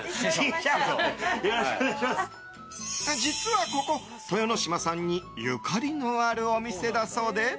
実はここ、豊ノ島さんにゆかりのあるお店だそうで。